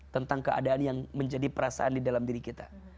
tentang keadaan yang menjadi perasaan di dalam diri kita